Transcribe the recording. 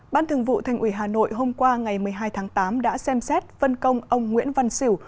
ban thường vụ thành ủy hà nội hôm qua ngày một mươi hai tháng tám đã xem xét vân công ông nguyễn văn xỉu